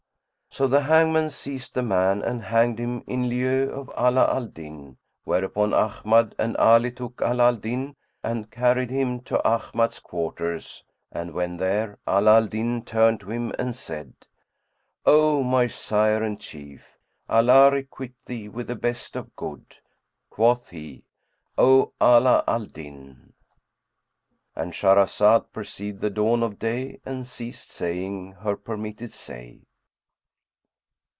"[FN#103] So the hangman seized the man and hanged him in lieu of Ala al Din; whereupon Ahmad and Ali took Ala al Din and carried him to Ahmad's quarters and, when there, Ala al Din turned to him and said, "O my sire and chief, Allah requite thee with the best of good!" Quoth he, "O Ala al Din"— And Shahrazed perceived the dawn of day and ceased saying her permitted say.